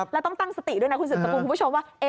แล้วต้องตั้งสติด้วยนะคุณสืบสกุลคุณผู้ชมว่า